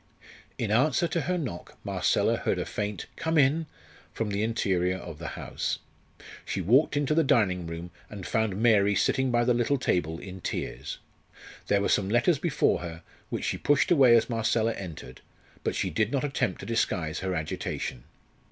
In answer to her knock Marcella heard a faint "Come in" from the interior of the house. She walked into the dining room, and found Mary sitting by the little table in tears. There were some letters before her, which she pushed away as Marcella entered, but she did not attempt to disguise her agitation.